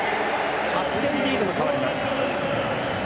８点リードに変わっています。